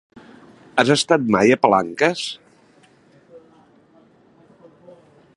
Has estat mai a Palanques?